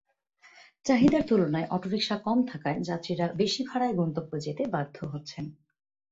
চাহিদার তুলনায় অটোরিকশা কম থাকায় যাত্রীরা বেশি ভাড়ায় গন্তব্যে যেতে বাধ্য হচ্ছেন।